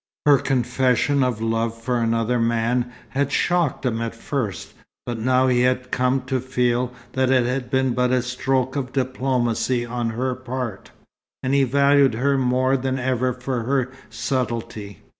Her confession of love for another man had shocked him at first, but now he had come to feel that it had been but a stroke of diplomacy on her part, and he valued her more than ever for her subtlety.